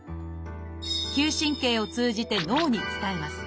嗅神経を通じて脳に伝えます。